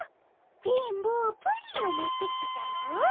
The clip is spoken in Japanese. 「電ボプリンを持ってきてたも」